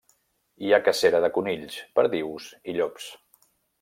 Hi ha cacera de conills, perdius i llops.